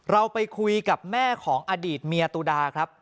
เราไปคุยกับแม่ของอดีตเมียตุดาครับ